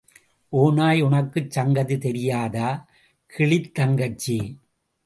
ஒநாய் உனக்குச் சங்கதி தெரியாதா கிளித்தங்கச்சி.